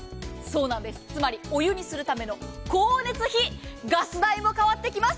つまり、お湯にするための光熱費、ガス代も変わってきます。